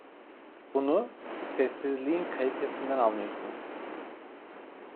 Bunu, sessizliğin kalitesinden anlıyorsunuz.